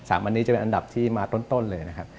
อันนี้จะเป็นอันดับที่มาต้นเลยนะครับ